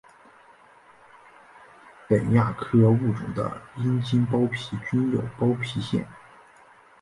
本亚科物种的阴茎包皮均有包皮腺。